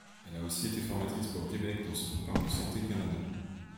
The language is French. Elle a aussi été formatrice pour le Québec dans ce programme de Santé Canada.